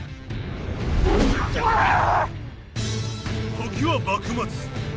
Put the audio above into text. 時は幕末。